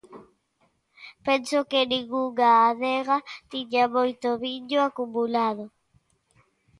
Penso que ningunha adega tiña moito viño acumulado.